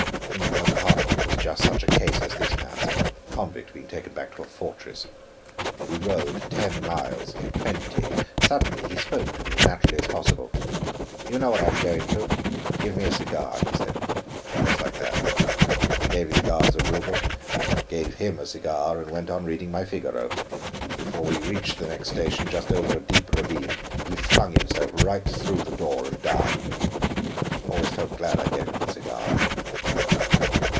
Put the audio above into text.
In the compartment was just such a case as this man's, convict being taken back to a fortress. We rode ten miles, twenty; suddenly he spoke to me as naturally as possible. 'You know what I'm going to; give me a cigar,' he said, just like that. I gave his guards a ruble, gave him a cigar, and went on reading my Figaro. Before we reached the next station, just over a deep ravine, he flung himself right through the door and down. Always felt glad I gave him the cigar."